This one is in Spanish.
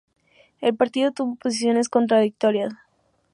El partido tuvo posiciones contradictorias.